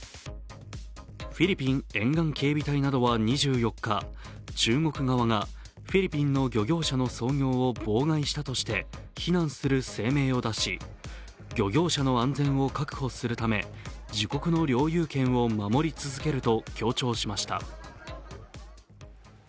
フィリピン沿岸警備隊などは２４日、中国側がフィリピンの漁業者の操業を妨害したとして非難する声明を出し、漁業者の安全を確保するため自国の領有権を守り続けると強調しました。